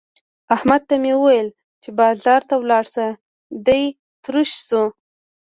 احمد ته مې وويل چې بازار ته ولاړ شه؛ دی تروش شو.